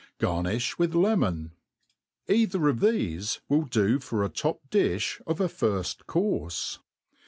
Gar nifli with lemon. Either of thcfe will do for a top difr of a^ ^rft courfc.